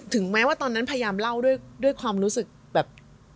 แม้ว่าตอนนั้นพยายามเล่าด้วยความรู้สึกแบบ